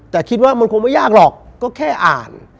แต่คิดว่ามันคงไม่ยากหรอกก็แค่อ่าน